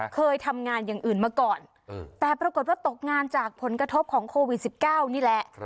เคยทำงานอย่างอื่นมาก่อนแต่ปรากฏว่าตกงานจากผลกระทบของโควิด๑๙นี่แหละ